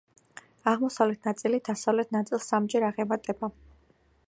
აღმოსავლეთ ნაწილი დასავლეთ ნაწილს სამჯერ აღემატება.